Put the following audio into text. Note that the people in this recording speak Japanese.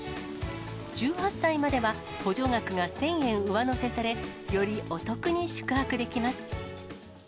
１８歳までは補助額が１０００円上乗せされ、よりお得に宿泊できます。